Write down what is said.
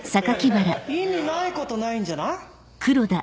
意味ないことないんじゃない？